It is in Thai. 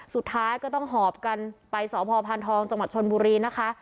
สุดท้ายก็ต้องหอบกันไปสพพานทองจังหวัดชนบุรีนะคะ